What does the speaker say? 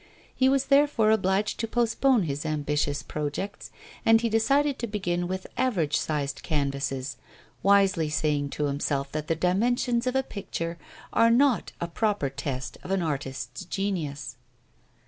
He was therefore obliged to postpone his ambitious projects, and he decided to begin with average sized canvases, wisely saying to himself that the dimensions of a picture are not a proper test of an artist's genius.